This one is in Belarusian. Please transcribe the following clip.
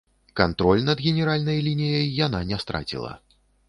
Кантроль над генеральнай лініяй яна не страціла.